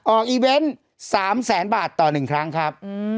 อีเวนต์๓แสนบาทต่อ๑ครั้งครับ